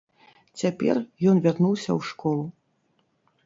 Цяпер ён вярнуўся ў школу.